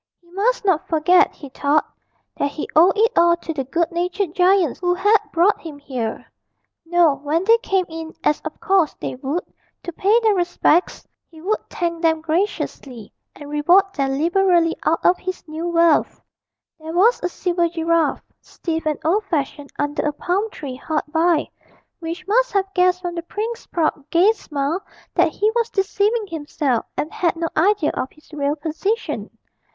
He must not forget, he thought, that he owed it all to the good natured giants who had brought him here: no, when they came in as of course they would to pay their respects, he would thank them graciously and reward them liberally out of his new wealth. There was a silver giraffe, stiff and old fashioned, under a palm tree hard by, which must have guessed from the prince's proud gay smile that he was deceiving himself and had no idea of his real position.